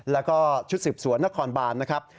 แล้วก็ชุดสืบสวนนครบานนะครับ